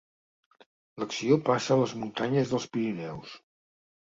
L'acció passa a les muntanyes dels Pirineus.